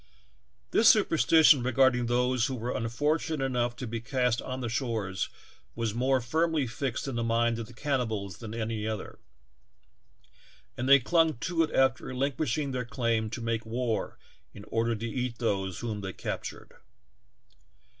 This superstition regarding those who were unfortunate enough to be east on their shores was more firmly fixed in the minds of the cannibals than any other, and they clung to it after relinquishing their elaim to make war in order to eat those whom they captured.